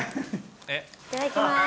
いただきます。